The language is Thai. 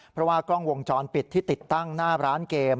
เพราะว่ากล้องวงจรปิดที่ติดตั้งหน้าร้านเกม